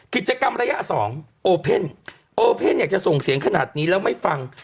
กิจกรรมระยะ๒โอเพ่นโอเพ่นอยากจะส่งเสียงขนาดนี้แล้วไม่ฟัง